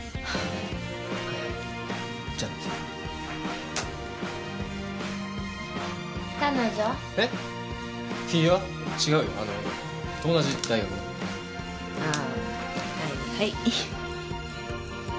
はいはい。